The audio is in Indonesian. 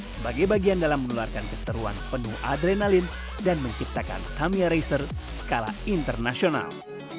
sebagai bagian dalam menularkan keseruan penuh adrenalin dan menciptakan camia racer skala internasional